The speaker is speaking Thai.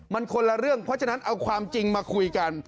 มันคนละเรื่องเพราะฉะนั้นเอาความจริงมาคุยกัน